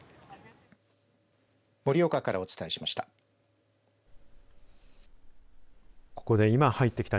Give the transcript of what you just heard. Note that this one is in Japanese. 盛岡からお伝えしました。